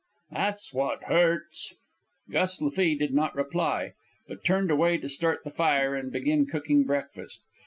"That's what hurts." Gus Lafee did not reply, but turned away to start the fire and begin cooking breakfast.